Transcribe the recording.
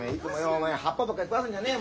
おめえ葉っぱとか食わすんじゃねえ。